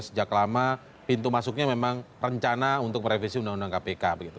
sejak lama pintu masuknya memang rencana untuk merevisi undang undang kpk